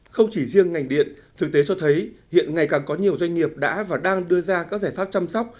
không chỉ riêng ngành điện thực tế cho thấy hiện ngày càng có nhiều doanh nghiệp đã và đang đưa ra các giải pháp chăm sóc